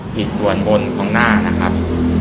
ผิดส่วนบนของหน้านะครับ